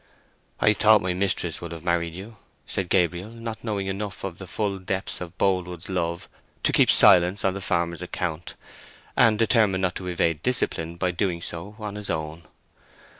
"I thought my mistress would have married you," said Gabriel, not knowing enough of the full depths of Boldwood's love to keep silence on the farmer's account, and determined not to evade discipline by doing so on his own.